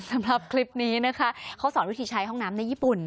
สำหรับคลิปนี้นะคะเขาสอนวิธีใช้ห้องน้ำในญี่ปุ่น